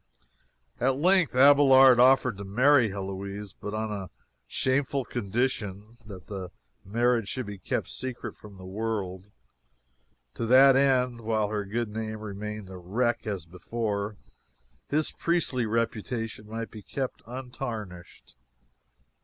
At length Abelard offered to marry Heloise but on a shameful condition: that the marriage should be kept secret from the world, to the end that (while her good name remained a wreck, as before,) his priestly reputation might be kept untarnished.